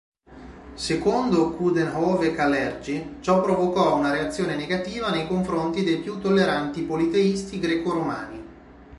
Secondo Coudenhove-Kalergi, ciò provocò una reazione negativa nei confronti dei più tolleranti politeisti greco-romani.